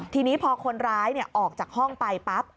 ทีนี้พอคนร้ายออกจากห้องไปปั๊บ